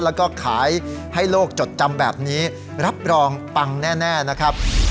แล้วก็ขายให้โลกจดจำแบบนี้รับรองปังแน่นะครับ